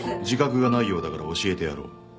自覚がないようだから教えてやろう。